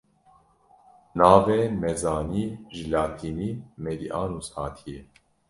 Navê Mezanî ji latînî medianus hatiye.